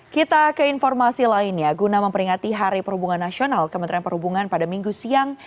kita ke informasi lainnya guna memperingati hari perhubungan nasional kementerian perhubungan pada minggu siang